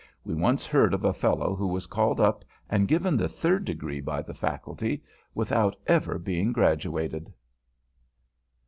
We once heard of a fellow who was called up and given the Third Degree by the Faculty, without ever being graduated.